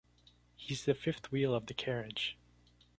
He’s the fifth wheel of the carriage.